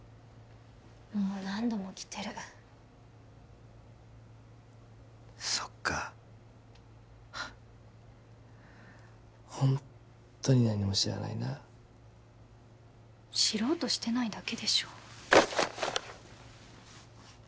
もう何度も着てるそっかホントに何も知らないな知ろうとしてないだけでしょ